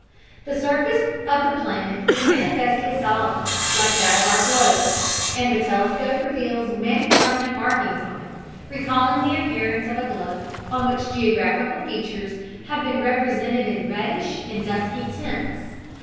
The surface of the planet is manifestly solid, like that of our globe, and the telescope reveals many permanent markings on it, recalling the appearance of a globe on which geographical features have been represented in reddish and dusky tints.